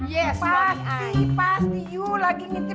gak ada dokter lain apa